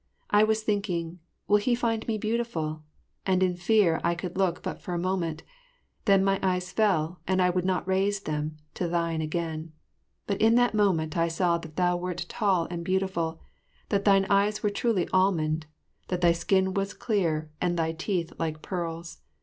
I was thinking, "Will he find me beautiful?" and in fear I could look but for a moment, then my eyes fell and I would not raise then to thine again. But in that moment I saw that thou wert tall and beautiful, that thine eyes were truly almond, that thy skin was clear and thy teeth like pearls.